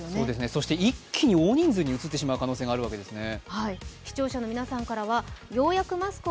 そして一気に大人数にうつってしまう可能性があるわけですね。